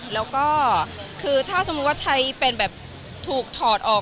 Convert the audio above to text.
แล้วก็คือถ้าสมมุติว่าใช้เป็นแบบถูกถอดออก